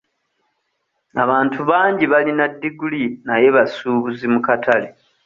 Abantu bangi balina ddiguli naye basuubuzi mu katale.